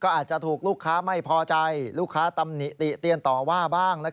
อาจจะถูกลูกค้าไม่พอใจลูกค้าตำหนิติเตียนต่อว่าบ้าง